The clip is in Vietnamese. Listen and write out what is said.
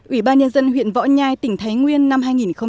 ủy ban nhân dân huyện võ nhai tỉnh thái nguyên năm hai nghìn một mươi chín